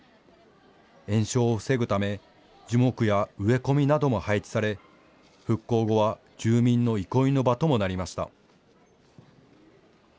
延焼を防ぐため樹木や植え込みなども配置され、復興後は住民の憩いの場ともなりました。